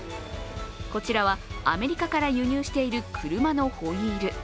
こちらはアメリカから輸入している車のホイール。